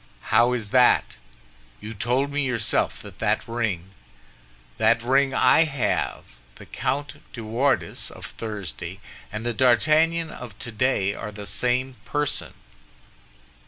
"How is that? You told me yourself that that ring—" "That ring I have! The Comte de Wardes of Thursday and the D'Artagnan of today are the same person."